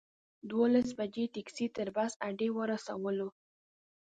دولس بجې ټکسي تر بس اډې ورسولو.